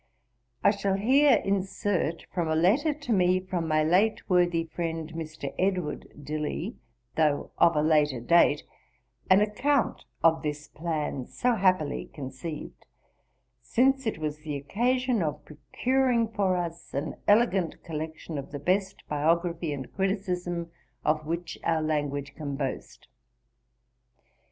I shall here insert from a letter to me from my late worthy friend Mr. Edward Dilly, though of a later date, an account of this plan so happily conceived; since it was the occasion of procuring for us an elegant collection of the best biography and criticism of which our language can boast.